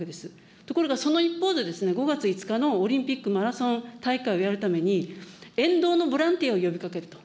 ところがその一方で、５月５日のオリンピックマラソン大会をやるために、沿道のボランティアを呼びかけると。